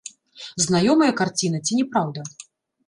Знаёмая карціна, ці не праўда?